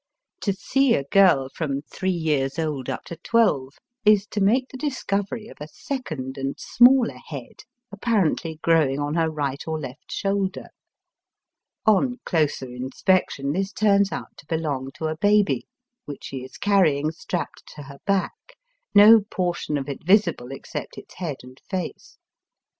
To see a girl from three years old up to twelve is to make the discovery of a second and smaller head apparently growing on her right or left shoulder. On closer inspection this turns out to belong to a baby, which she is carrying strapped to her back, no portion of it visible except its head and face.